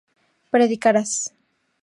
predicarás